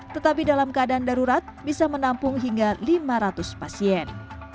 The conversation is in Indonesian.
tetapi dalam keadaan darurat bisa menampung hingga lima ratus pasien